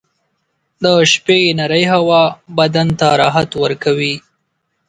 • د شپې نرۍ هوا بدن ته راحت ورکوي.